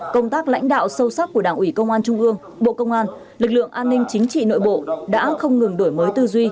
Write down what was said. công tác lãnh đạo sâu sắc của đảng ủy công an trung ương bộ công an lực lượng an ninh chính trị nội bộ đã không ngừng đổi mới tư duy